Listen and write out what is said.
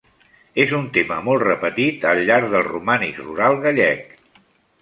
És un tema molt repetit al llarg del romànic rural gallec.